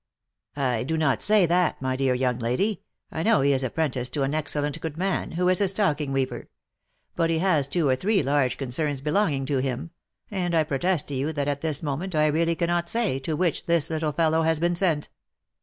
" I do not say that, my dear young lady, I know he is apprenticed to an excellent good man, who is a stocking weaver ; but he has two or three large concerns belonging to him, and I protest to you that at this moment I really cannot say to which this little fellow has been sent."